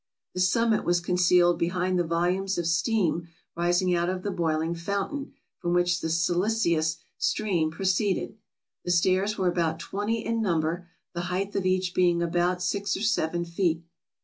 The summit was concealed behind the volumes of steam rising out of the boiling fountain from which the silicious stream proceeded. The stairs were about twenty in num ber, the height of each being about six or seven feet.